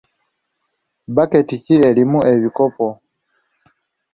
Bbaketi ki erimu ebikopo?